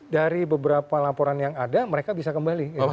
dari beberapa laporan yang ada mereka bisa kembali